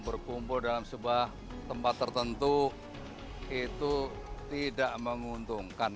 berkumpul dalam sebuah tempat tertentu itu tidak menguntungkan